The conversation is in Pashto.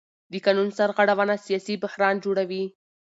د قانون سرغړونه سیاسي بحران جوړوي